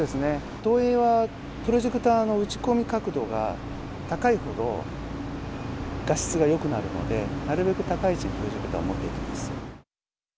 投影はプロジェクターの打ち込み角度が高いほど、画質がよくなるので、なるべく高い位置にプロジェクターをと思っています。